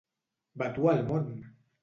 Vatua el món!